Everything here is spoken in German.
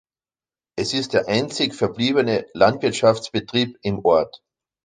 Es ist der einzig verbliebene Landwirtschaftsbetrieb im Ort.